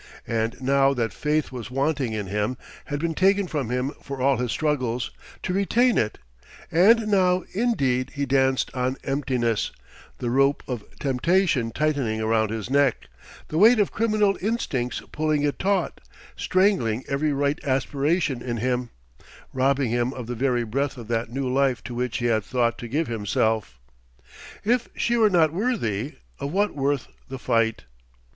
And now that faith was wanting in him, had been taken from him for all his struggles to retain it; and now indeed he danced on emptiness, the rope of temptation tightening round his neck, the weight of criminal instincts pulling it taut strangling every right aspiration in him, robbing him of the very breath of that new life to which he had thought to give himself. If she were not worthy, of what worth the fight?...